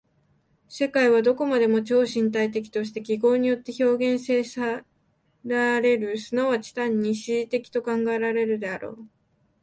世界はどこまでも超身体的として記号によって表現せられる、即ち単に思惟的と考えられるであろう。